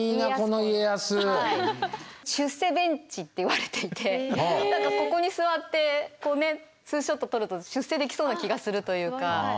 「出世ベンチ」って言われていてここに座って２ショット撮ると出世できそうな気がするというか。